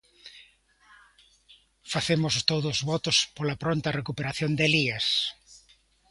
Facemos todos votos pola pronta recuperación de Elías.